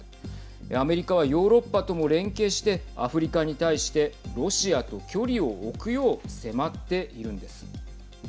アメリカはヨーロッパとも連携してアフリカに対してロシアと距離を置くよう迫っているんです。